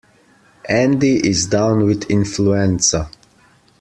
Andy is down with influenza.